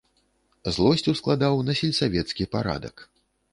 Злосць ускладаў на сельсавецкі парадак.